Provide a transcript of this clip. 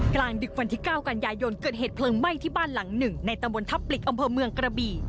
กลางดึกวันที่๙กันยายนเกิดเหตุเพลิงไหม้ที่บ้านหลังหนึ่งในตำบลทับปลิกอำเภอเมืองกระบี่